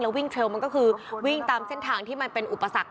วิ่งเทรลมันก็คือวิ่งตามเส้นทางที่มันเป็นอุปสรรค